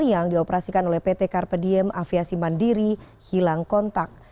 yang dioperasikan oleh pt carpediem aviasi mandiri hilang kontak